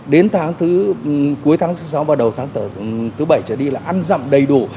đến cuối tháng thứ sáu và đầu tháng thứ bảy trở đi là ăn rậm đầy đủ